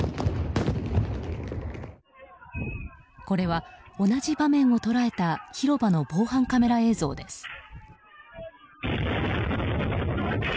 これは同じ場面を捉えた広場の防犯カメラ映像です。